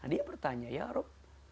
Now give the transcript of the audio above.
dia bertanya ya rob